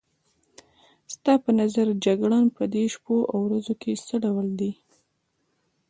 ستا په نظر جګړن په دې شپو او ورځو کې څه ډول دی؟